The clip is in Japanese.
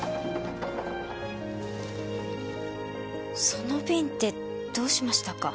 その瓶ってどうしましたか？